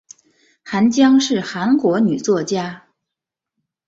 韩江是韩国女作家。